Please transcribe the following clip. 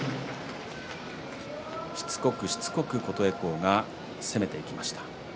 しつこくしつこく琴恵光が攻めていきました。